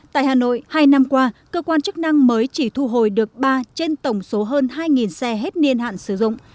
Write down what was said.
tại hà nội hai năm qua cơ quan chức năng mới chỉ thu hồi được ba trên tổng số hơn hai xe hết niên hạn sử dụng